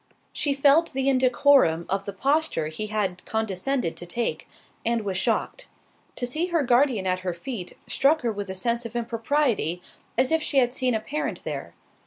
She felt the indecorum of the posture he had condescended to take, and was shocked. To see her guardian at her feet, struck her with a sense of impropriety, as if she had seen a parent there.